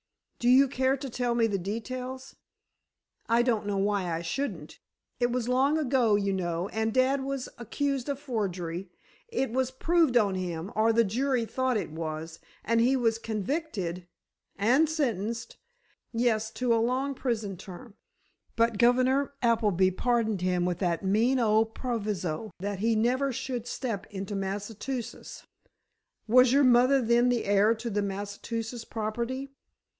"Do you care to tell me the details?" "I don't know why I shouldn't. It was long ago, you know, and dad was accused of forgery. It was proved on him—or the jury thought it was—and he was convicted——" "And sentenced?" "Yes; to a long prison term. But Governor Appleby pardoned him with that mean old proviso, that he never should step into Massachusetts!" "Was your mother then the heir to the Massachusetts property?"